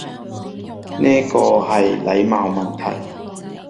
呢個係禮貌問題